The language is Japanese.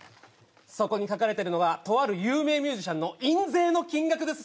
そこに書かれてるのがとある有名ミュージシャンの印税の金額です